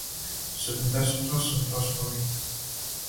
Седамдесетосам то смо ми